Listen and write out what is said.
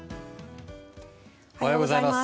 おはようございます。